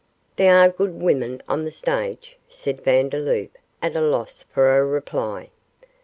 'There are good women on the stage,' said Vandeloup, at a loss for a reply.